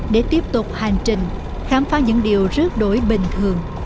để tiếp tục hành trình khám phá những điều rước đổi bình thường